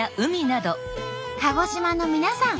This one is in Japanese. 鹿児島の皆さん